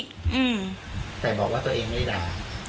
อืมแต่บอกว่าตัวเองไม่ได้ด่า